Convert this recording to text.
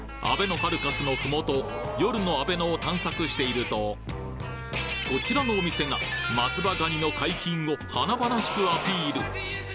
あべのハルカスのふもと夜の阿倍野を探索しているとこちらのお店が松葉がにの解禁を華々しくアピール